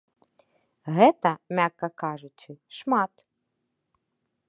Гэта, мякка кажучы, шмат.